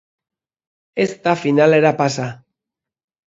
Ez da finalera pasa.